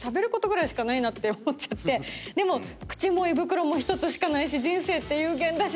でも口も胃袋も１つしかないし人生って有限だし。